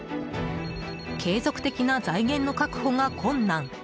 継続的な財源の確保が困難。